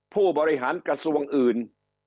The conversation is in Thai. ผู้บริหารกระทรวงอื่น